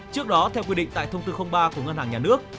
trước đó theo quy định tại thông tư ba của ngân hàng nhà nước